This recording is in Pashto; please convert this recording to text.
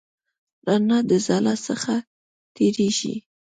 رڼا د خلا څخه تېرېږي.